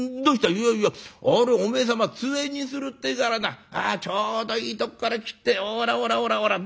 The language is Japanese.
「いやいやあれおめえ様つえにするってえからなちょうどいいとこから切ってほらほらほらほらどうだい？